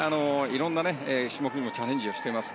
いろんな種目にもチャレンジしています。